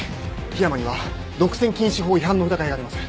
樋山には独占禁止法違反の疑いがあります。